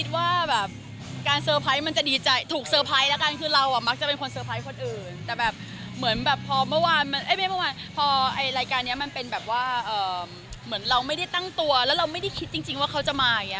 แต่ว่าถ้าพรุ่งนี้ก็ดูรายการนี้ก่อนไงรายการนี้ปล่อยพรุ่งนี้พอดีเลย